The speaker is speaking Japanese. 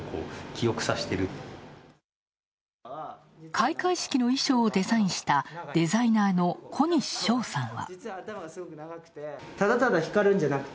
開会式の衣装をデザインしたデザイナーの小西翔さんは。